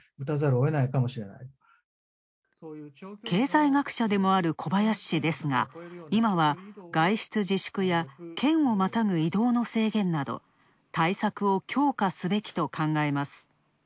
経済学者でもある小林氏ですが今は外出自粛や県をまたく移動の制限など、対策を強化すべきと考えます。